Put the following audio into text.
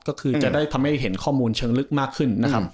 ก็คือจะได้ทำให้เห็นข้อมูลเชิงลึกมากขึ้นนะครับ